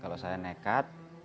kalau saya nekat